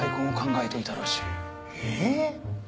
えっ！？